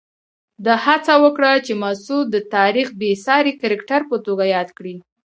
ده هڅه وکړه چې مسعود د تاریخ بېساري کرکټر په توګه یاد کړي.